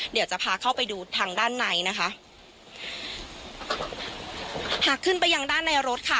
เดี๋ยวจะพาเข้าไปดูทางด้านในนะคะหากขึ้นไปยังด้านในรถค่ะ